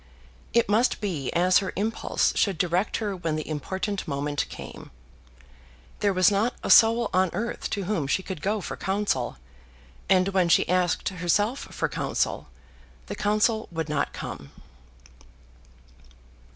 It must be as her impulse should direct her when the important moment came. There was not a soul on earth to whom she could go for counsel, and when she asked herself for counsel, the counsel would not come.